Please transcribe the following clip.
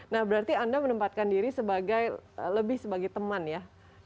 nah berarti anda menempatkan diri sebagai lebih sebagai teman ya